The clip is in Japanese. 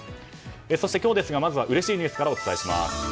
そして今日、まずはうれしいニュースからお伝えします。